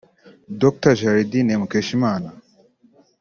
Dr Gerardine Mukeshimana